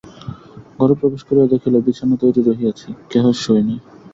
ঘরে প্রবেশ করিয়া দেখিল, বিছানা তৈরি রহিয়াছে, কেহ শোয় নাই।